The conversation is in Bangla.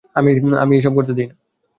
আমি এসব করতে দেই না।